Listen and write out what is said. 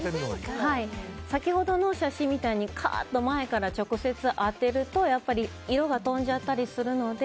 先ほどの写真みたいにカーッと前から直接当てると色が飛んじゃったりするので。